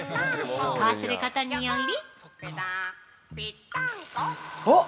こうすることにより◆おっ！